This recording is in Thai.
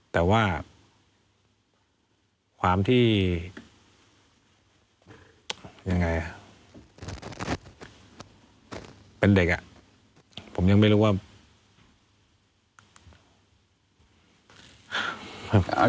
แต่ว่าความที่ยังไงอ่ะเป็นเด็กอ่ะผมยังไม่รู้ว่า